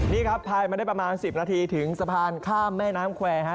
นี่ครับภายมาได้ประมาณ๑๐นาทีถึงสะพานข้ามแม่น้ำแควร์ฮะ